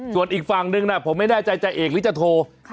ส่วนอีกฝั่งนึงผมไม่แน่ใจจ่าเอกหรือจะโทร